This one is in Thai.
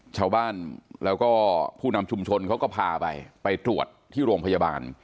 ชาวบ้านแล้วก็ผู้นำชุมชนเขาก็พาไปไปตรวจที่โรงพยาบาล